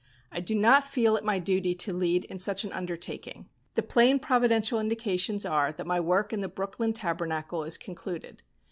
I do not feel it my duty to lead in such an undertaking. The plain providential indications are that my work in the Brooklyn Tabernacle is concluded.